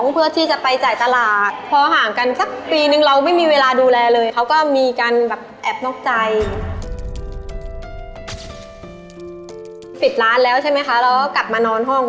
ฝิดร้านแล้วใช่ไหมกับมานอนห้อง